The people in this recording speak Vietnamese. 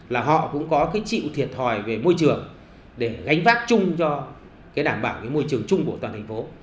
là họ cũng có cái chịu thiệt thòi về môi trường để gánh vác chung cho cái đảm bảo cái môi trường chung của toàn thành phố